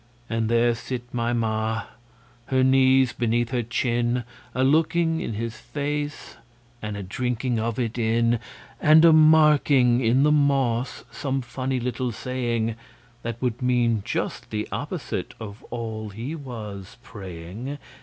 And there sit my Ma, her knees beneath her chin, A looking in his face and a drinking of it in, And a marking in the moss some funny little saying That would mean just the opposite of all he was praying!